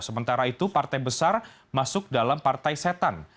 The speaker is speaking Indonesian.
sementara itu partai besar masuk dalam partai setan